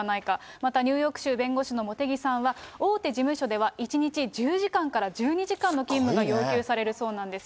またニューヨーク州弁護士の茂木さんは、大手事務所では１日１０時間から１２時間の勤務が要求されるそうなんです。